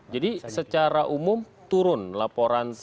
jadi secara umum turun laporan kualitas